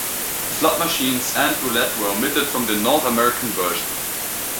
Slot machines and roulette were omitted from the North American version.